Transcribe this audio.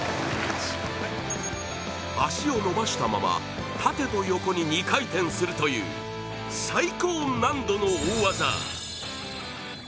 足を伸ばしたまま、縦と横に２回転するという最高難度の大技。